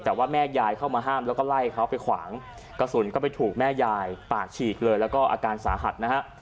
แต่ว่าแม่ยายเข้ามาห้ามแล้วก็ไล่เขาไปขวางกระสุนก็ไปถูกแม่ยายปากฉีกเลยแล้วก็อาการสาหัสนะฮะ